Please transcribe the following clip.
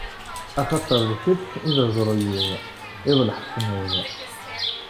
Axaṭer d kečč i d aẓru-iw, i d leḥṣin-iw.